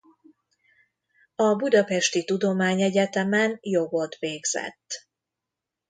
A budapesti Tudományegyetemen jogot végzett.